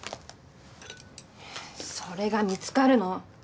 それが見つかるの。